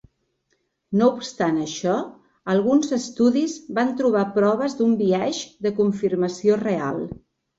No obstant això, alguns estudis van trobar proves d'un biaix de confirmació real.